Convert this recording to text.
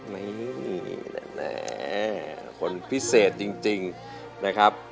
นี่แหมคนพิเศษจริงนะครับ